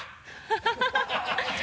ハハハ